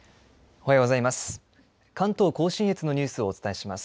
おはようございます。